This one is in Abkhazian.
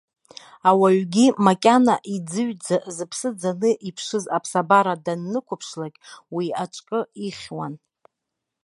Ауаҩгьы, макьана иӡыҩӡа зыԥсы ӡаны иԥшыз аԥсабара даннықәыԥшлак, уи аҿкы ихьуан.